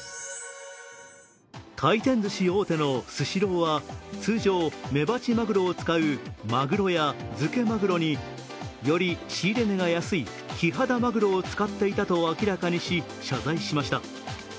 回転ずし大手のスシローは通常、メバチマグロを使うマグロや漬けマグロにより仕入れ値が安いキハダマグロを使っていたと明らかにし謝罪しました。